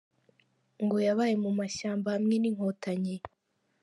Ngo yabaye mu mashyamba hamwe n’inkotanyi.